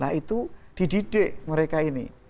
nah itu di didik mereka ini